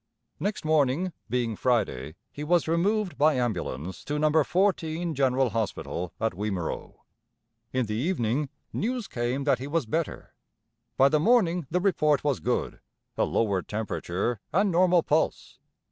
Next morning, being Friday, he was removed by ambulance to No. 14 General Hospital at Wimereux. In the evening news came that he was better; by the morning the report was good, a lowered temperature and normal pulse.